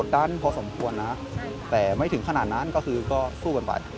ดันพอสมควรนะแต่ไม่ถึงขนาดนั้นก็คือก็สู้กันไป